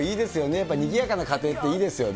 やっぱりにぎやかな家庭って、いいですよね。